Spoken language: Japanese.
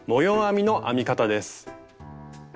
編みの編み方です。